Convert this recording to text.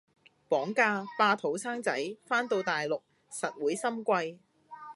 綁架，霸肚生仔，番到大陸，實會心悸